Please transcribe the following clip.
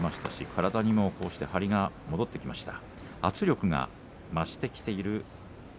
体にもこうして張りが戻ってきました。